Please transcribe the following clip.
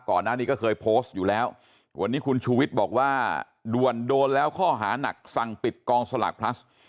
ก่อนหน้านี้ก็เคยโพสต์อยู่แล้ววันนี้คุณชูวิทย์บอกว่าด่วนโดนแล้วข้อหานักสั่งปิดกองสลากพลัส